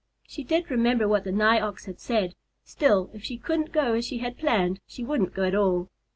She did remember what the Nigh Ox had said; still, if she couldn't go as she had planned, she wouldn't go at all.